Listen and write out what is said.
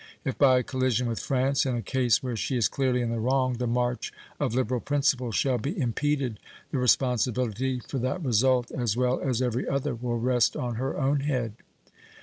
If by a collision with France in a case where she is clearly in the wrong the march of liberal principles shall be impeded, the responsibility for that result as well as every other will rest on her own head.